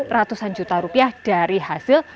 ratusan juta rupiah dari hasil